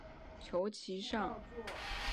求其上